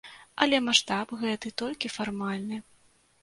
Але маштаб гэты толькі фармальны.